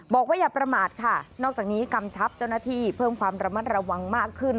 อย่าประมาทค่ะนอกจากนี้กำชับเจ้าหน้าที่เพิ่มความระมัดระวังมากขึ้น